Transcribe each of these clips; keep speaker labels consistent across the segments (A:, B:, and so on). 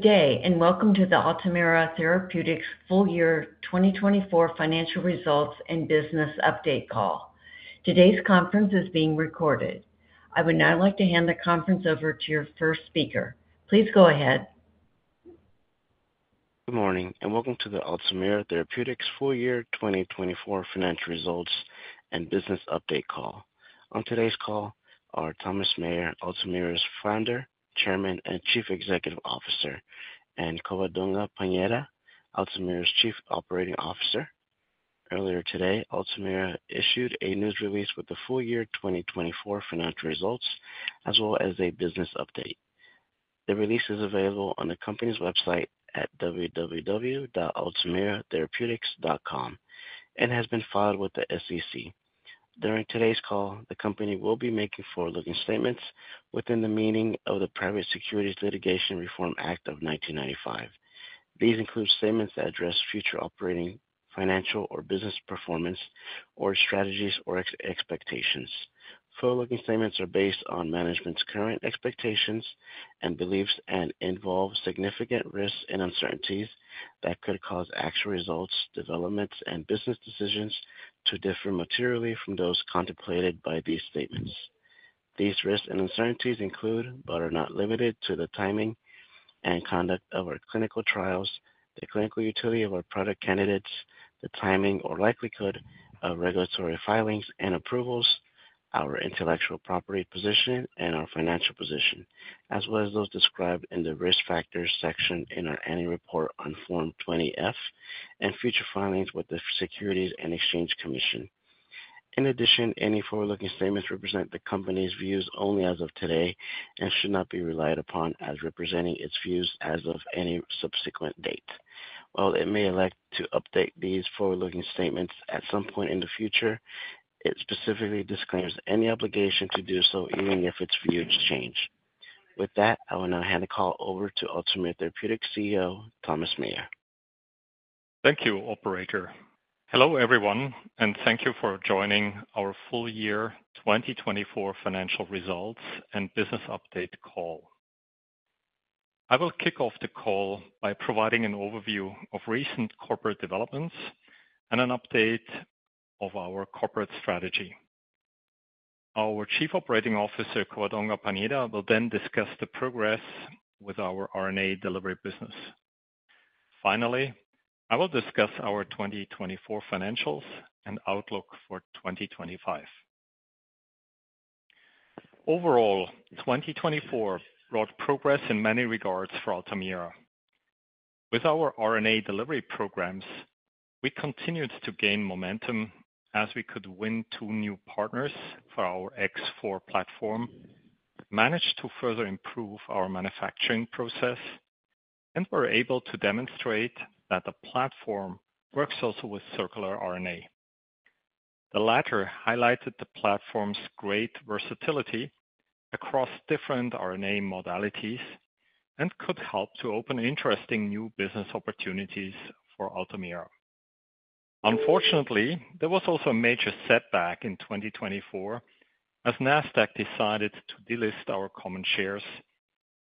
A: Good day, and welcome to the Altamira Therapeutics full-year 2024 financial results and business update call. Today's conference is being recorded. I would now like to hand the conference over to your first speaker. Please go ahead. Good morning, and welcome to the Altamira Therapeutics full-year 2024 financial results and business update call. On today's call are Thomas Meyer, Altamira's Founder, Chairman, and Chief Executive Officer, and Covadonga Pañeda, Altamira's Chief Operating Officer. Earlier today, Altamira issued a news release with the full-year 2024 financial results, as well as a business update. The release is available on the company's website at www.altamira-therapeutics.com and has been filed with the SEC. During today's call, the company will be making forward-looking statements within the meaning of the Private Securities Litigation Reform Act of 1995. These include statements that address future operating, financial, or business performance, or strategies or expectations. Forward-looking statements are based on management's current expectations and beliefs and involve significant risks and uncertainties that could cause actual results, developments, and business decisions to differ materially from those contemplated by these statements. These risks and uncertainties include, but are not limited to, the timing and conduct of our clinical trials, the clinical utility of our product candidates, the timing or likelihood of regulatory filings and approvals, our intellectual property position and our financial position, as well as those described in the risk factors section in our annual report on Form 20F, and future filings with the Securities and Exchange Commission. In addition, any forward-looking statements represent the company's views only as of today and should not be relied upon as representing its views as of any subsequent date. While it may elect to update these forward-looking statements at some point in the future, it specifically disclaims any obligation to do so even if its views change. With that, I will now hand the call over to Altamira Therapeutics CEO, Thomas Meyer.
B: Thank you, Operator. Hello, everyone, and thank you for joining our full-year 2024 financial results and business update call. I will kick off the call by providing an overview of recent corporate developments and an update of our corporate strategy. Our Chief Operating Officer, Covadonga Pañeda, will then discuss the progress with our RNA delivery business. Finally, I will discuss our 2024 financials and outlook for 2025. Overall, 2024 brought progress in many regards for Altamira. With our RNA delivery programs, we continued to gain momentum as we could win two new partners for our X4 platform, managed to further improve our manufacturing process, and were able to demonstrate that the platform works also with circular RNA. The latter highlighted the platform's great versatility across different RNA modalities and could help to open interesting new business opportunities for Altamira. Unfortunately, there was also a major setback in 2024 as Nasdaq decided to delist our common shares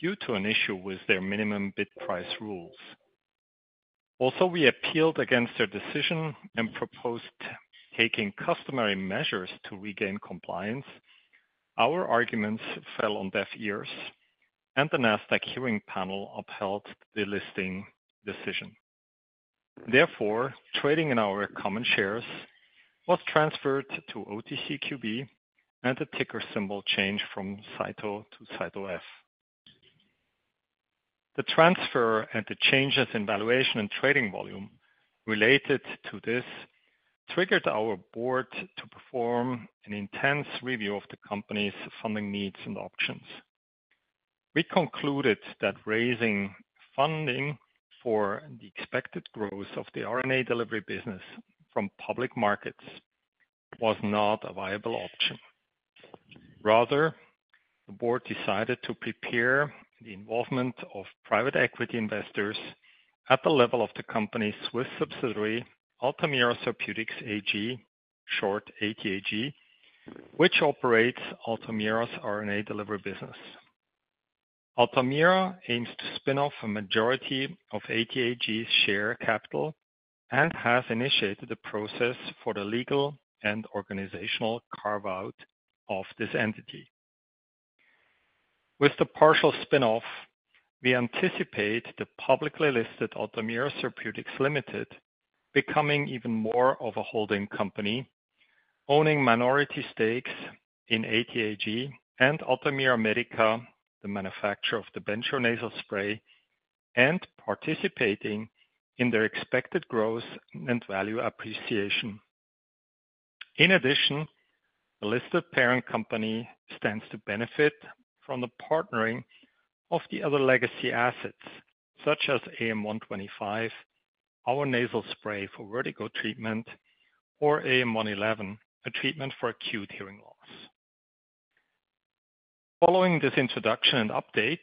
B: due to an issue with their minimum bid price rules. Although we appealed against their decision and proposed taking customary measures to regain compliance, our arguments fell on deaf ears, and the Nasdaq hearing panel upheld the delisting decision. Therefore, trading in our common shares was transferred to OTCQB, and the ticker symbol changed from CYTO to CYTOF. The transfer and the changes in valuation and trading volume related to this triggered our board to perform an intense review of the company's funding needs and options. We concluded that raising funding for the expected growth of the RNA delivery business from public markets was not a viable option. Rather, the board decided to prepare the involvement of private equity investors at the level of the company's Swiss subsidiary, Altamira Therapeutics AG, short ATAG, which operates Altamira's RNA delivery business. Altamira aims to spin off a majority of ATAG's share capital and has initiated the process for the legal and organizational carve-out of this entity. With the partial spin-off, we anticipate the publicly listed Altamira Therapeutics Limited becoming even more of a holding company, owning minority stakes in ATAG and Altamira Medica, the manufacturer of the Bentrio nasal spray, and participating in their expected growth and value appreciation. In addition, the listed parent company stands to benefit from the partnering of the other legacy assets, such as AM-125, our nasal spray for vertigo treatment, or AM111, a treatment for acute hearing loss. Following this introduction and update,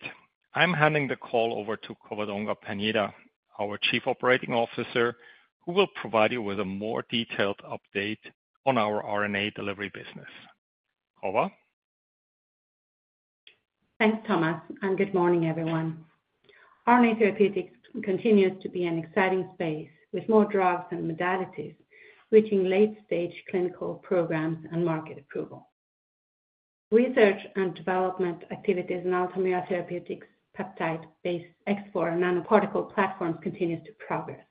B: I'm handing the call over to Covadonga Paneda, our Chief Operating Officer, who will provide you with a more detailed update on our RNA delivery business. Cova.
C: Thanks, Thomas, and good morning, everyone. RNA therapeutics continues to be an exciting space with more drugs and modalities reaching late-stage clinical programs and market approval. Research and development activities in Altamira Therapeutics peptide-based X4 nanoparticle platforms continue to progress.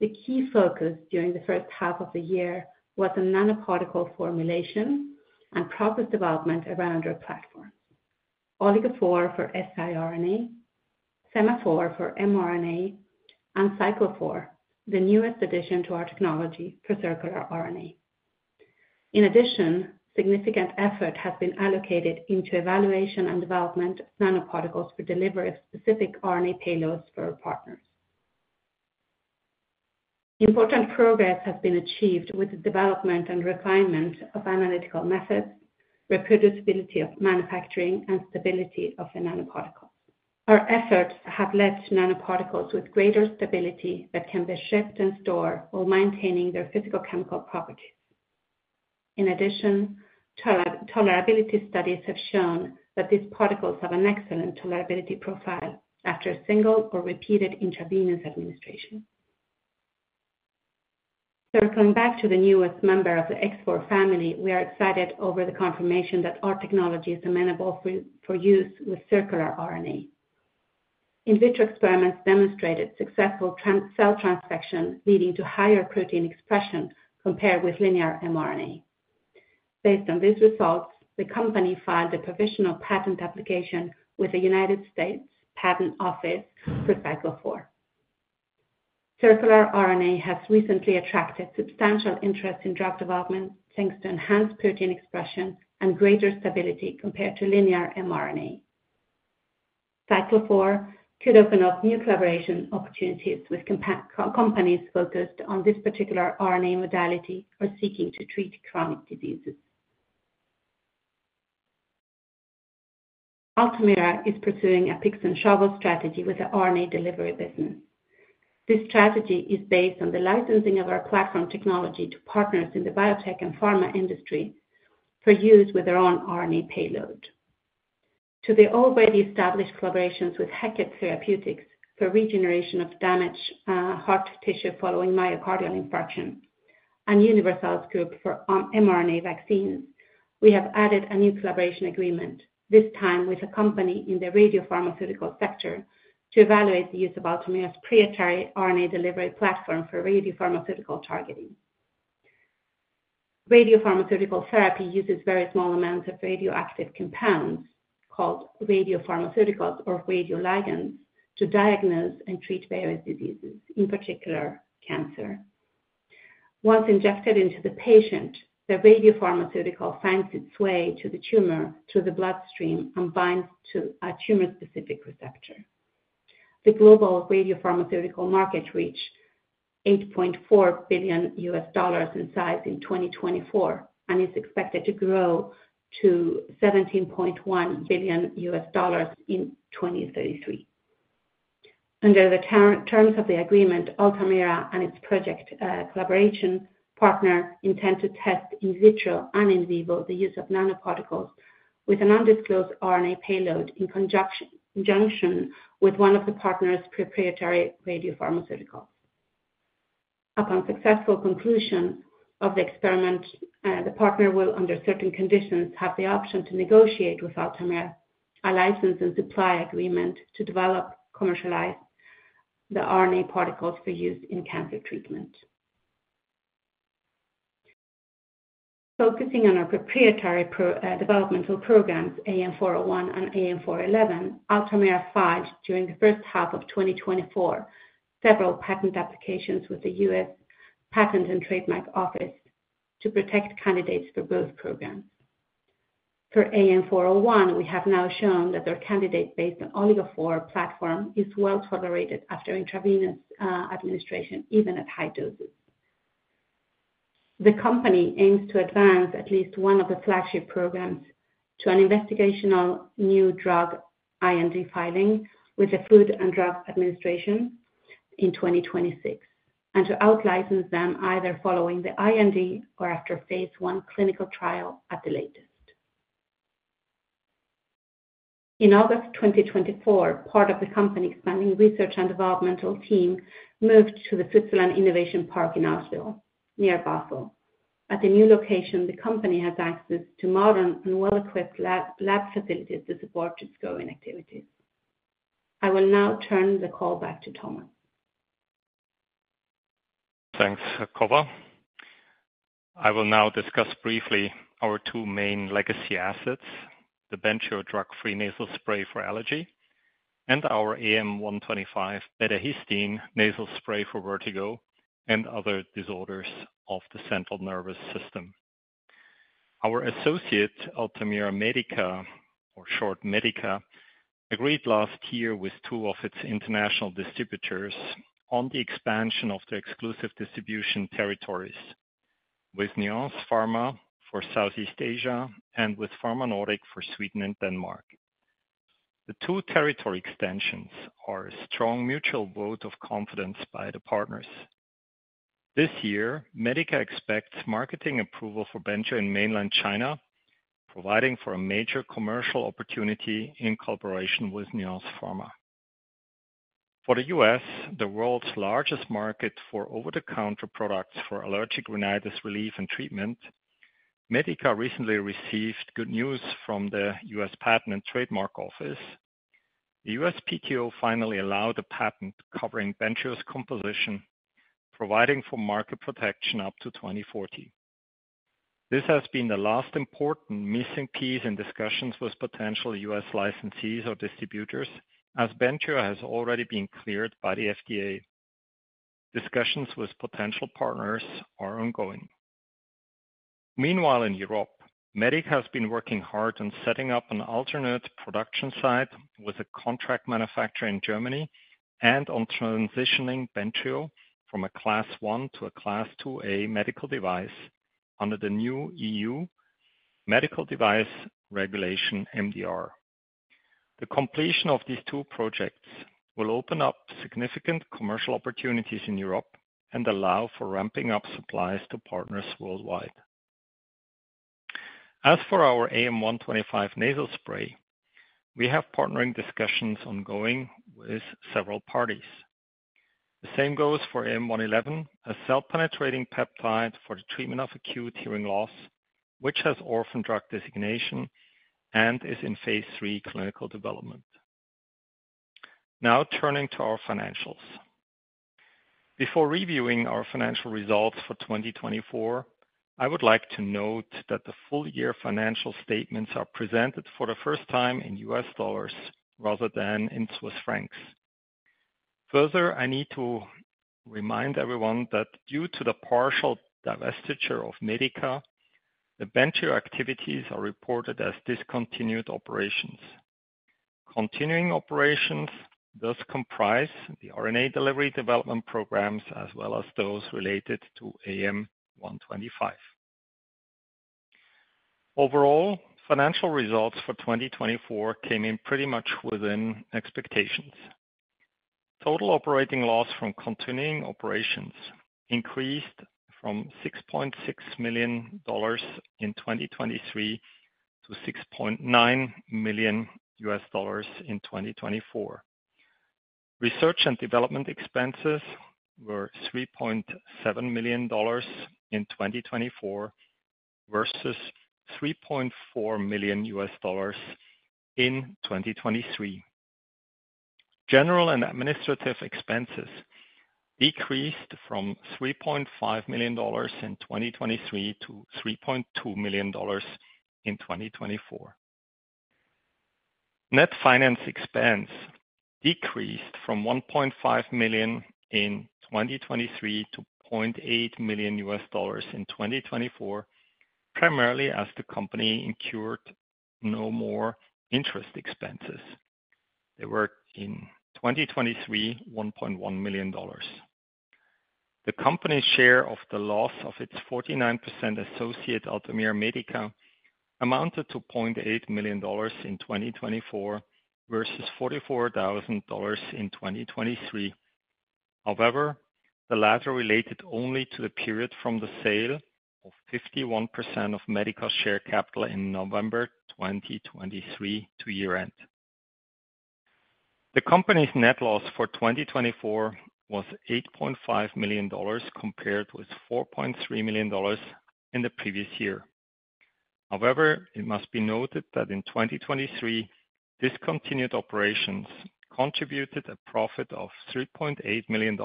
C: The key focus during the first half of the year was in nanoparticle formulation and process development around our platforms: Oligo-4 for siRNA, Thema-4 for mRNA, and Cyclo-4, the newest addition to our technology for circular RNA. In addition, significant effort has been allocated into evaluation and development of nanoparticles for delivery of specific RNA payloads for our partners. Important progress has been achieved with the development and refinement of analytical methods, reproducibility of manufacturing, and stability of the nanoparticles. Our efforts have led to nanoparticles with greater stability that can be shipped and stored while maintaining their physicochemical properties. In addition, tolerability studies have shown that these particles have an excellent tolerability profile after single or repeated intravenous administration. Circling back to the newest member of the X4 family, we are excited over the confirmation that our technology is amenable for use with circular RNA. In vitro experiments demonstrated successful cell transfection, leading to higher protein expression compared with linear mRNA. Based on these results, the company filed a provisional patent application with the U.S. Patent and Trademark Office for Cyclo-4. Circular RNA has recently attracted substantial interest in drug development thanks to enhanced protein expression and greater stability compared to linear mRNA. Cyclo-4 could open up new collaboration opportunities with companies focused on this particular RNA modality or seeking to treat chronic diseases. Altamira is pursuing a picks-and-shovel strategy with the RNA delivery business. This strategy is based on the licensing of our platform technology to partners in the biotech and pharma industry for use with their own RNA payload. To the already established collaborations with Hackett Therapeutics for regeneration of damaged heart tissue following myocardial infarction and Universalis Group for mRNA vaccines, we have added a new collaboration agreement, this time with a company in the radiopharmaceutical sector, to evaluate the use of Altamira's proprietary RNA delivery platform for radiopharmaceutical targeting. Radiopharmaceutical therapy uses very small amounts of radioactive compounds called radiopharmaceuticals or radioligands to diagnose and treat various diseases, in particular, cancer. Once injected into the patient, the radiopharmaceutical finds its way to the tumor through the bloodstream and binds to a tumor-specific receptor. The global radiopharmaceutical market reached $8.4 billion in size in 2024 and is expected to grow to $17.1 billion in 2033. Under the terms of the agreement, Altamira and its project collaboration partner intend to test in vitro and in vivo the use of nanoparticles with an undisclosed RNA payload in conjunction with one of the partner's proprietary radiopharmaceuticals. Upon successful conclusion of the experiment, the partner will, under certain conditions, have the option to negotiate with Altamira a license and supply agreement to develop and commercialize the RNA particles for use in cancer treatment. Focusing on our proprietary developmental programs, AM401 and AM411, Altamira filed during the first half of 2024 several patent applications with the U.S. Patent and Trademark Office to protect candidates for both programs. For AM401, we have now shown that their candidate-based Oligo-4 platform is well tolerated after intravenous administration, even at high doses. The company aims to advance at least one of the flagship programs to an investigational new drug IND filing with the Food and Drug Administration in 2026, and to out-license them either following the IND or after phase one clinical trial at the latest. In August 2024, part of the company's spending research and developmental team moved to the Switzerland Innovation Park in Allschwil, near Basel. At the new location, the company has access to modern and well-equipped lab facilities to support its growing activities. I will now turn the call back to Thomas.
B: Thanks, Cova. I will now discuss briefly our two main legacy assets: the Bentrio drug-free nasal spray for allergy and our AM125 beta-histine nasal spray for vertigo and other disorders of the central nervous system. Our associate, Altamira Medica, or short Medica, agreed last year with two of its international distributors on the expansion of their exclusive distribution territories with Nuance Pharma for Southeast Asia and with Pharma Nordic for Sweden and Denmark. The two territory extensions are a strong mutual vote of confidence by the partners. This year, Medica expects marketing approval for Bentrio in mainland China, providing for a major commercial opportunity in collaboration with Nuance Pharma. For the U.S., the world's largest market for over-the-counter products for allergic rhinitis relief and treatment, Medica recently received good news from the U.S. Patent and Trademark Office. The U.S. Office finally allowed a patent covering Bentrio's composition, providing for market protection up to 2040. This has been the last important missing piece in discussions with potential U.S. licensees or distributors, as Bentrio has already been cleared by the FDA. Discussions with potential partners are ongoing. Meanwhile, in Europe, Altamira Medica has been working hard on setting up an alternate production site with a contract manufacturer in Germany and on transitioning Bentrio from a Class 1 to a Class 2A medical device under the new EU Medical Device Regulation (MDR). The completion of these two projects will open up significant commercial opportunities in Europe and allow for ramping up supplies to partners worldwide. As for our AM-125 nasal spray, we have partnering discussions ongoing with several parties. The same goes for AM111, a cell-penetrating peptide for the treatment of acute hearing loss, which has orphan drug designation and is in phase three clinical development. Now turning to our financials. Before reviewing our financial results for 2024, I would like to note that the full-year financial statements are presented for the first time in U.S. dollars rather than in Swiss francs. Further, I need to remind everyone that due to the partial divestiture of Medica, the Bentrio activities are reported as discontinued operations. Continuing operations thus comprise the RNA delivery development programs as well as those related to AM125. Overall, financial results for 2024 came in pretty much within expectations. Total operating loss from continuing operations increased from $6.6 million in 2023 to $6.9 million in 2024. Research and development expenses were $3.7 million in 2024 versus $3.4 million in 2023. General and administrative expenses decreased from $3.5 million in 2023 to $3.2 million in 2024. Net finance expense decreased from $1.5 million in 2023 to $0.8 million in 2024, primarily as the company incurred no more interest expenses. They were in 2023, $1.1 million. The company's share of the loss of its 49% associate, Altamira Medica, amounted to $0.8 million in 2024 versus $44,000 in 2023. However, the latter related only to the period from the sale of 51% of Medica's share capital in November 2023 to year-end. The company's net loss for 2024 was $8.5 million compared with $4.3 million in the previous year. However, it must be noted that in 2023, discontinued operations contributed a profit of $3.8 million,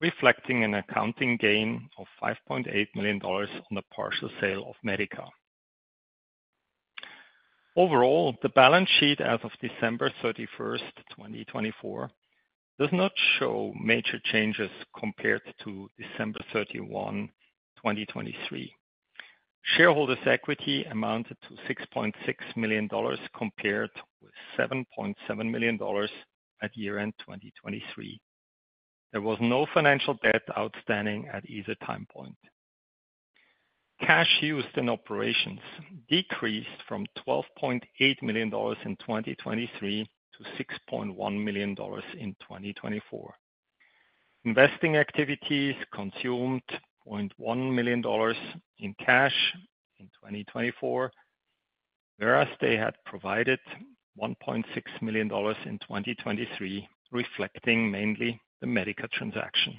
B: reflecting an accounting gain of $5.8 million on the partial sale of Medica. Overall, the balance sheet as of December 31, 2024, does not show major changes compared to December 31, 2023. Shareholders' equity amounted to $6.6 million compared with $7.7 million at year-end 2023. There was no financial debt outstanding at either time point. Cash used in operations decreased from $12.8 million in 2023 to $6.1 million in 2024. Investing activities consumed $0.1 million in cash in 2024, whereas they had provided $1.6 million in 2023, reflecting mainly the Medica transaction.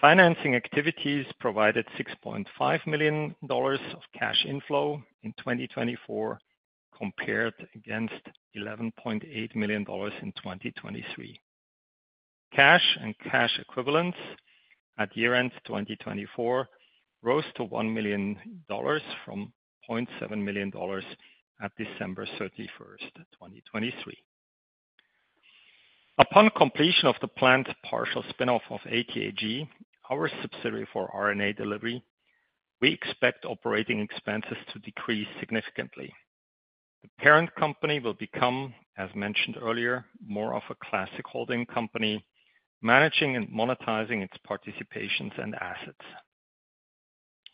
B: Financing activities provided $6.5 million of cash inflow in 2024 compared against $11.8 million in 2023. Cash and cash equivalents at year-end 2024 rose to $1 million from $0.7 million at December 31, 2023. Upon completion of the planned partial spinoff of ATAG, our subsidiary for RNA delivery, we expect operating expenses to decrease significantly. The parent company will become, as mentioned earlier, more of a classic holding company, managing and monetizing its participations and assets.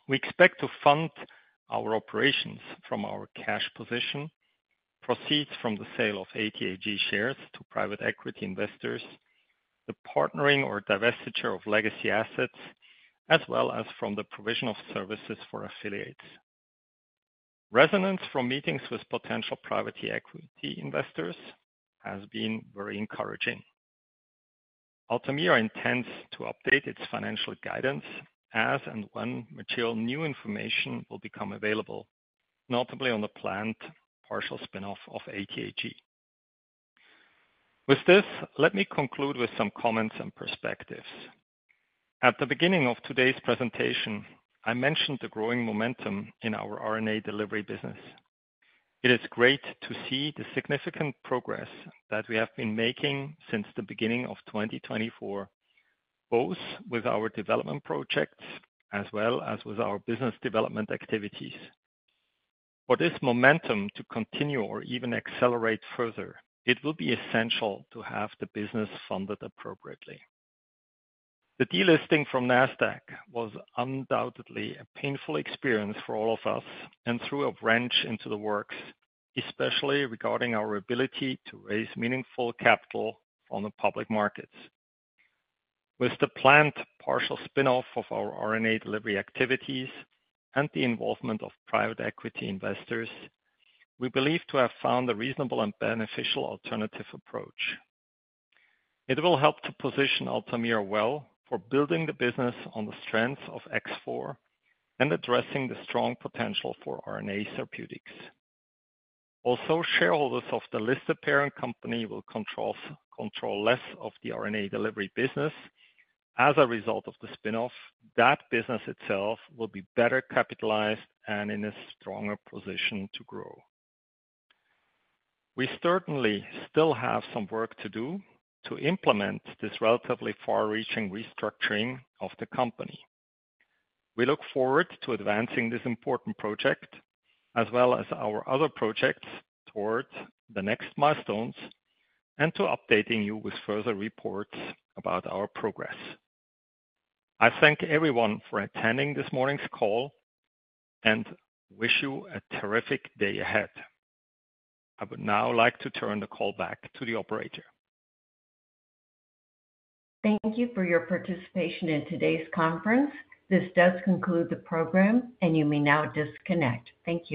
B: We expect to fund our operations from our cash position, proceeds from the sale of ATAG shares to private equity investors, the partnering or divestiture of legacy assets, as well as from the provision of services for affiliates. Resonance from meetings with potential private equity investors has been very encouraging. Altamira intends to update its financial guidance as and when material new information will become available, notably on the planned partial spinoff of ATAG. With this, let me conclude with some comments and perspectives. At the beginning of today's presentation, I mentioned the growing momentum in our RNA delivery business. It is great to see the significant progress that we have been making since the beginning of 2024, both with our development projects as well as with our business development activities. For this momentum to continue or even accelerate further, it will be essential to have the business funded appropriately. The delisting from Nasdaq was undoubtedly a painful experience for all of us and threw a wrench into the works, especially regarding our ability to raise meaningful capital on the public markets. With the planned partial spinoff of our RNA delivery activities and the involvement of private equity investors, we believe to have found a reasonable and beneficial alternative approach. It will help to position Altamira well for building the business on the strengths of X4 and addressing the strong potential for RNA Therapeutics. Also, shareholders of the listed parent company will control less of the RNA delivery business. As a result of the spinoff, that business itself will be better capitalized and in a stronger position to grow. We certainly still have some work to do to implement this relatively far-reaching restructuring of the company. We look forward to advancing this important project as well as our other projects towards the next milestones and to updating you with further reports about our progress. I thank everyone for attending this morning's call and wish you a terrific day ahead. I would now like to turn the call back to the operator.
A: Thank you for your participation in today's conference. This does conclude the program, and you may now disconnect. Thank you.